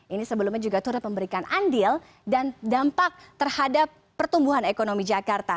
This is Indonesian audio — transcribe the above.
ini sebelumnya juga turut memberikan andil dan dampak terhadap pertumbuhan ekonomi jakarta